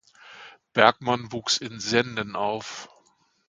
Bergmann wuchs in Senden auf.